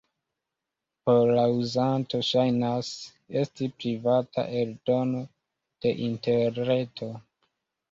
Por la uzanto ŝajnas esti privata eldono de interreto.